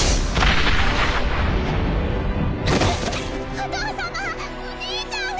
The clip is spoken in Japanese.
お父様お姉ちゃんが！